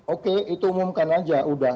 oke itu umumkan aja udah